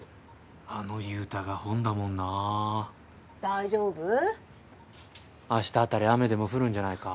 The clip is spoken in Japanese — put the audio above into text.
あの佑太が本だもんなあ大丈夫？明日あたり雨でも降るんじゃないか？